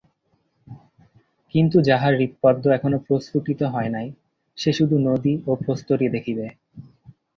কিন্তু যাহার হৃৎপদ্ম এখনও প্রস্ফুটিত হয় নাই, সে শুধু নদী ও প্রস্তরই দেখিবে।